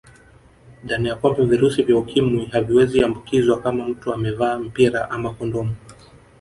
Dhana ya kwamba virusi vya ukimwi haviwezi ambukizwa kama mtu amevaa mpira ama kondomu